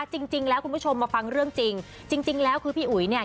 จริงแล้วคุณผู้ชมมาฟังเรื่องจริงจริงแล้วคือพี่อุ๋ยเนี่ย